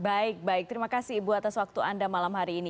baik baik terima kasih ibu atas waktu anda malam hari ini